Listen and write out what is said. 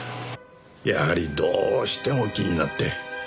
やはりどうしても気になって。